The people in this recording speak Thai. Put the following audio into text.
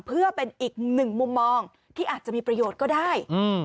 เพื่อเป็นอีกหนึ่งมุมมองที่อาจจะมีประโยชน์ก็ได้